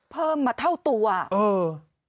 เพิ่มมาเท่าตัวเออ